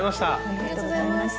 ありがとうございます。